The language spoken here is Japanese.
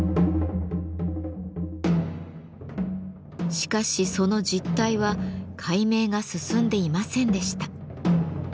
しかしその実態は解明が進んでいませんでした。